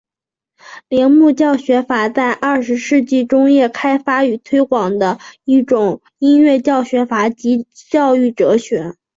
铃木教学法在二十世纪中叶开发与推广的一种音乐教学法及教育哲学。